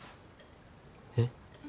えっ？